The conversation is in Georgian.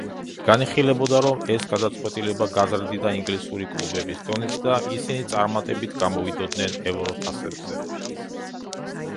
განიხილებოდა, რომ ეს გადაწყვეტილება გაზრდიდა ინგლისური კლუბების დონეს და ისინი წარმატებით გამოვიდოდნენ ევროთასებზე.